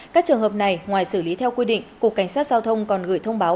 các trường hợp này ngoài xử lý theo quy định cục cảnh sát giao thông còn gửi thông báo